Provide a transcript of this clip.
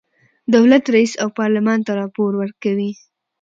دولت رئیس او پارلمان ته راپور ورکوي.